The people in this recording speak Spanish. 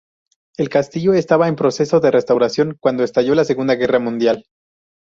El castillo estaba en proceso de restauración cuando estalló la Segunda Guerra Mundial.